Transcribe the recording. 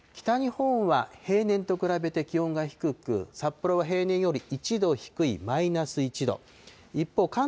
北日本は平年と比べて気温が低く、札幌は平年より１度低いマイナス１度。